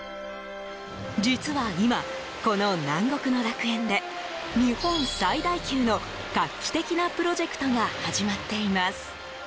実は今、この南国の楽園で日本最大級の、画期的なプロジェクトが始まっています。